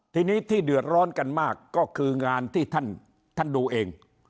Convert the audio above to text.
ทีนี้ที่เดือดร้อนกันมากก็คืองานที่ท่านดูเอง